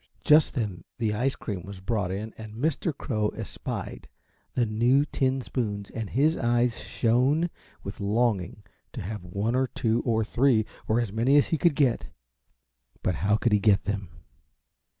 Just then the ice cream was brought in and Mr. Crow espied the new tin spoons and his eyes shone with longing to have one or two or three or as many as he could get, but how could he get them?